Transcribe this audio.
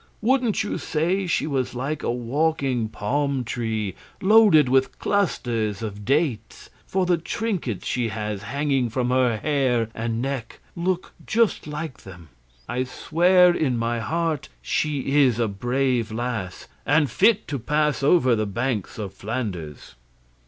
Wouldn't you say she was like a walking palm tree loaded with clusters of dates? for the trinkets she has hanging from her hair and neck look just like them. I swear in my heart she is a brave lass, and fit 'to pass over the banks of Flanders.